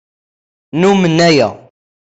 Nnumen aya.